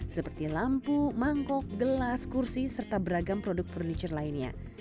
seperti lampu mangkok gelas kursi serta beragam produk furniture lainnya